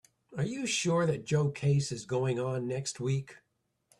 Are you sure that Joe case is going on next week?